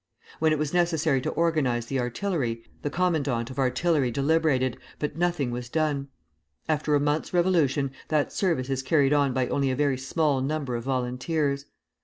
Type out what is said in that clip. When it was necessary to organize the artillery, the commandant of artillery deliberated, but nothing was done. After a month's revolution, that service is carried on by only a very small number of volunteers.